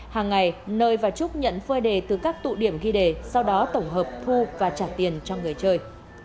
hàng ngày nơi và trúc nhận phơi đề từ các tụ điểm ghi đề sau đó tổng hợp thu và trả tiền cho người chơi